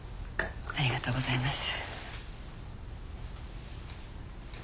ありがとうございます。